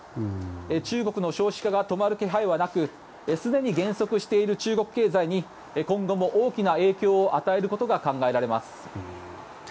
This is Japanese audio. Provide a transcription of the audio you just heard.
中国の少子化が止まる気配はなくすでに減速している中国経済に今後も大きな影響を与えることが考えられます。